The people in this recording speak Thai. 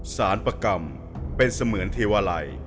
สารประกรรมเป็นเสมือนเทวาลัย